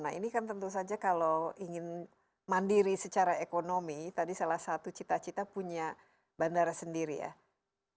nah ini kan tentu saja kalau ingin mandiri secara ekonomi tadi salah satu cita cita punya bandara sendiri ya